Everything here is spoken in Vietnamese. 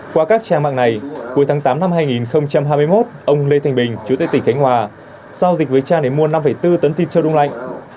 qua các trang mạng này cuối tháng tám năm hai nghìn hai mươi một ông lê thành bình chủ tịch tỉnh khánh hòa giao dịch với trang để mua năm bốn tấn thịt châu đông lạnh